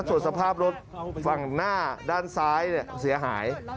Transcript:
ส่วนสภาพรถฝั่งหน้าด้านซ้ายเสียหาย